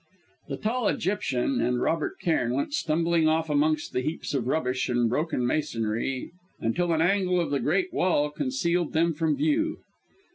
The tall Egyptian and Robert Cairn went stumbling off amongst the heaps of rubbish and broken masonry, until an angle of the great wall concealed them from view.